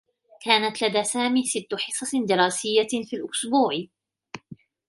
كانت لدى سامي ستّ حصص دراسيّة في الأسبوع.